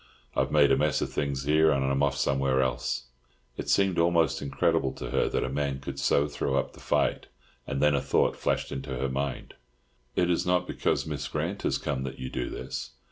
I've made a mess of things here, and I'm off somewhere else." It seemed almost incredible to her that a man could so throw up the fight; and then a thought flashed into her mind. "It is not because Miss Grant has come that you do this?"